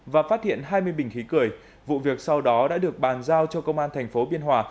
và phát hiện hai mươi bình khí cười vụ việc sau đó đã được bàn giao cho công an thành phố biên hòa